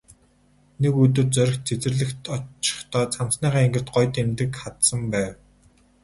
Нэг өдөр Зориг цэцэрлэгт очихдоо цамцныхаа энгэрт гоё тэмдэг хадсан байв.